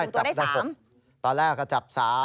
จับกลุ่มตัวได้๓ไม่จับได้๖